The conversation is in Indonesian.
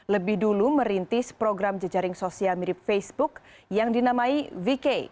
lebih dulu merintis program jejaring sosial mirip facebook yang dinamai vk